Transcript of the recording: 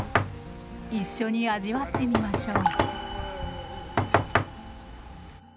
一緒に味わってみましょう。